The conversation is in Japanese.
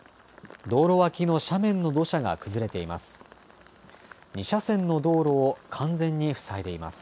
道路脇の斜面の土砂が崩れています。